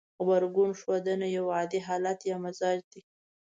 غبرګون ښودنه يو عادتي حالت يا مزاج دی.